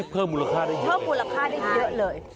เพิ่มมูลค่าได้เยอะเลย